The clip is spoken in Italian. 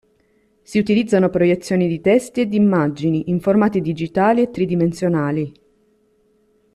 Si utilizzano proiezioni di testi e di immagini, in formati digitali e tridimensionali.